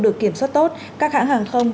được kiểm soát tốt các hãng hàng không